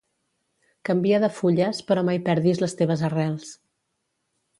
Canvia de fulles, però mai perdis les teves arrels.